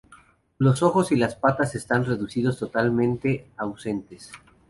Los ojos y las patas están reducidos o totalmente ausentes.